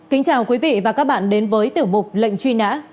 kính chào quý vị và các bạn đến với tiểu mục lệnh truy nã